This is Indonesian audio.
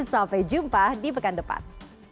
sampai jumpa di pekan depan